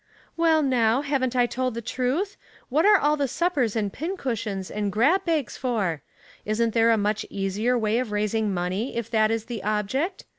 " Well, now, havei/t I told the truth? What are all the suppers and pin cushions and grab baga for ? Isn't there a much easier way of raising money, if that is the object